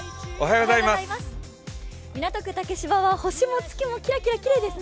港区竹芝は星も月もキラキラきれいですね。